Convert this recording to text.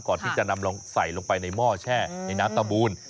ก่อนที่จะนำลงใส่ลงไปในหม้อแช่ในน้ำตะบูน